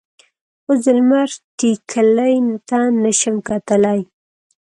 اوس د لمر ټیکلي ته نه شم کتلی.